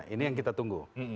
ini yang kita tunggu